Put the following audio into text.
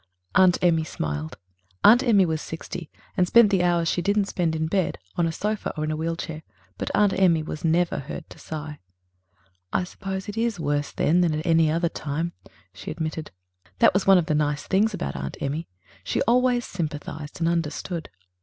Aunt Emmy smiled. Aunt Emmy was sixty, and spent the hours she didn't spend in a bed, on a sofa or in a wheel chair; but Aunt Emmy was never heard to sigh. "I suppose it is worse then than at any other time," she admitted. That was one of the nice things about Aunt Emmy. She always sympathized and understood.